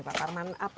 pak parman apa